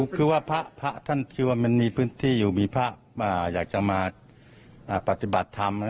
คือว่าพระท่านที่ว่ามันมีพื้นที่อยู่มีพระอยากจะมาปฏิบัติธรรม